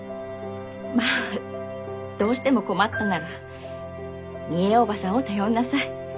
まあどうしても困ったならみえ叔母さんを頼んなさい。